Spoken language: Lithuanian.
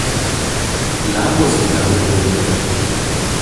Lervos gyvena dirvoje.